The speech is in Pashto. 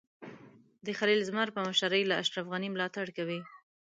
د خلیل زمر په مشرۍ له اشرف غني ملاتړ کوي.